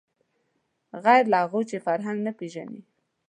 غیر له هغو چې فرهنګ نه پېژني